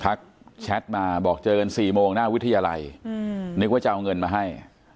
แชทมาบอกเจอกัน๔โมงหน้าวิทยาลัยนึกว่าจะเอาเงินมาให้